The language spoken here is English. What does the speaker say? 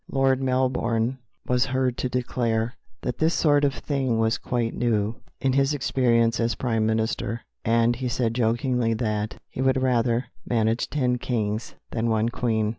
Lord Melbourne was heard to declare that this sort of thing was quite new in his experience as Prime Minister, and he said jokingly that he would rather manage ten kings than one Queen.